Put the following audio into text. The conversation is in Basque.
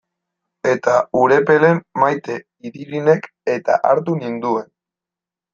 Eta Urepelen Maite Idirinek-eta hartu ninduen.